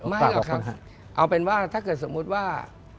ไม่หรอกครับเอาเป็นว่าถ้าเกิดสมมุติว่า